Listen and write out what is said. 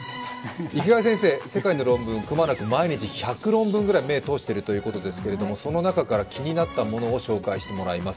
池谷先生、世界の論文隈なく１００くらい目を通しているということですが、その中から気になったものを紹介してもらいます。